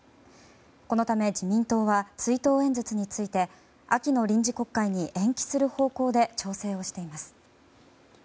このため、自民党は追悼演説について秋の臨時国会に延期する方向で調整をしています。